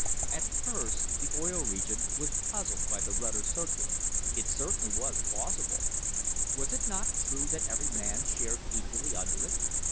At first the Oil Region was puzzled by the Rutter circular. It certainly was plausible. Was it not true that every man shared equally under it?